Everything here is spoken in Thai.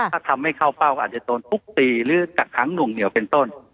ถ้าทำไม่เข้าเป้าก็อาจจะโดนทุบตีหรือกักขังหน่วงเหนียวเป็นต้น